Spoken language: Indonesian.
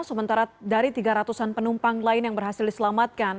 sementara dari tiga ratusan penumpang lain yang berhasil diselamatkan